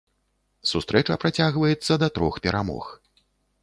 Сустрэча працягваецца да трох перамог.